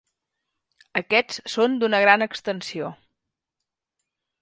Aquests són d'una gran extensió.